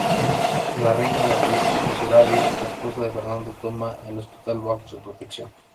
La reina Beatriz de Suabia, esposa de Fernando, toma el hospital bajo su protección.